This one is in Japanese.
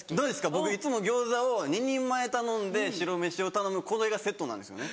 僕いつも餃子を２人前頼んで白飯を頼むこれがセットなんですよね。